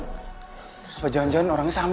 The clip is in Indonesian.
terus bahkan jangan jangan orangnya sama lo